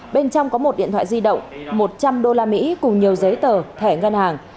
bên trong có một điện thoại di động một trăm linh usd cùng nhiều giấy tờ thẻ ngân hàng